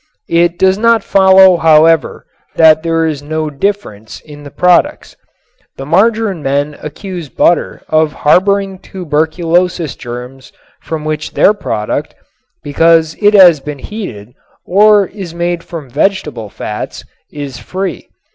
It does not follow, however, that there is no difference in the products. The margarin men accuse butter of harboring tuberculosis germs from which their product, because it has been heated or is made from vegetable fats, is free.